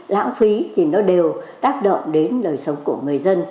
lãng phí thì nó đều tác động đến đời sống của người dân